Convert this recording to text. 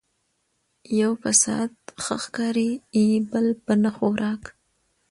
ـ يو په سعت ښه ښکاري بل په نه خوراک